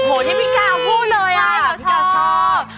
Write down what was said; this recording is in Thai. โหที่พี่ก้าวพูดเลยอะเราชอบ